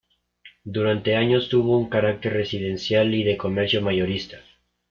Durante años tuvo un carácter residencial y de comercio mayorista.